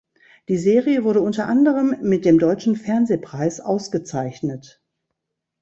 Die Serie wurde unter anderem mit dem Deutschen Fernsehpreis ausgezeichnet.